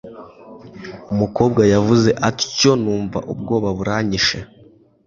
umukobwa yavuze atyo numva ubwoba buranyishe